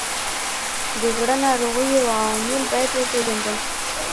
د زړه ناروغیو عوامل باید وپیژندل شي.